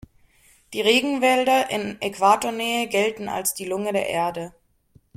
Die Regenwälder in Äquatornähe gelten als die Lunge der Erde.